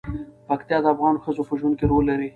پکتیا د افغان ښځو په ژوند کې رول لري.